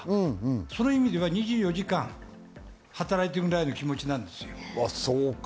そういう意味では２４時間働いているような気持ちなんですよ。